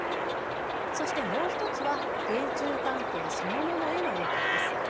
そしてもう一つは、米中関係そのものへの影響です。